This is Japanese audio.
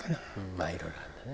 まあいろいろあるんだね。